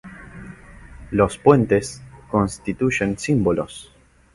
Los puentes constituyen símbolos.